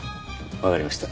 わかりました。